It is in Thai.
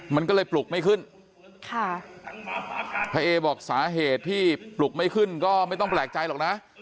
มันก็เลยปลุกไม่ขึ้นค่ะพระเอบอกสาเหตุที่ปลุกไม่ขึ้นก็ไม่ต้องแปลกใจหรอกนะ